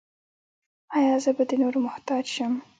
ایا زه به د نورو محتاج شم؟